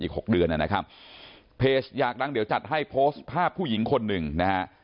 หกเดือนนะครับเพจอยากดังเดี๋ยวจัดให้โพสต์ภาพผู้หญิงคนหนึ่งนะฮะ